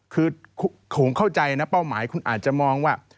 คือผมเข้าใจนะเป้าหมายคุณอาจจะมองว่า